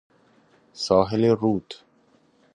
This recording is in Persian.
ساحل رود